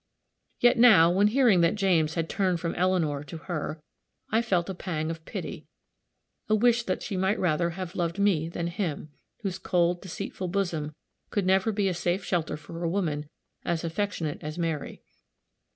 Yet now, when hearing that James had turned from Eleanor to her, I felt a pang of pity a wish that she might rather have loved me than him whose cold, deceitful bosom could never be a safe shelter for a woman as affectionate as Mary.